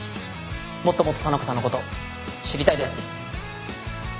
もっともっと沙名子さんのこと知りたいです。